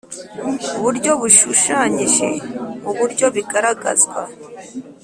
Buryo bushushanyije mu buryo bigaragazwa